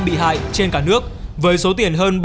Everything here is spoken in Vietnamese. bị hại trên cả nước với số tiền hơn